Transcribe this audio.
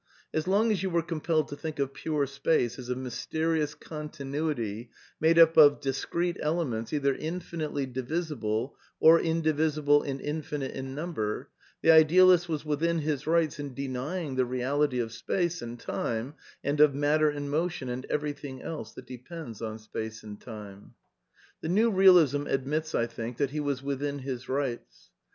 As long as you were compelled to think of pure space as a mysterious con tinuity made up of discrete elements either infinitely divisible, or indivisible and infinite in number, the idealist was within his rights in denying the reality of space and time, and of matter and motion and everything else that depends on space and time. The New Bealism admits, I think, that he was within his rights.